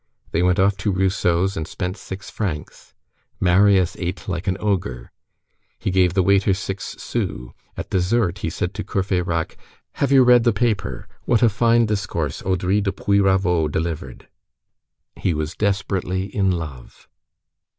They went off to Rousseau's and spent six francs. Marius ate like an ogre. He gave the waiter six sous. At dessert, he said to Courfeyrac. "Have you read the paper? What a fine discourse Audry de Puyraveau delivered!" He was desperately in love.